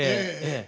ええ。